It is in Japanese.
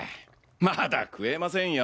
まだ食えませんよ。